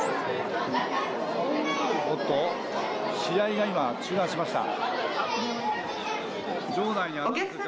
試合が今、中断しました。